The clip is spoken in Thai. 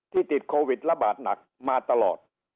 ติดโควิดระบาดหนักมาตลอด